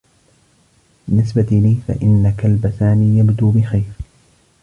بالنسبة لي، فإن كلب سامي يبدو بخير.